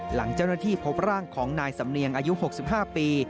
หลังเจ้าหน้าที่พบร่างของนายสำเนียงอายุ๖๕ปี